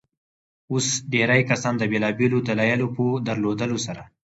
اوس ډېرى کسان د بېلابيلو دلايلو په درلودلو سره.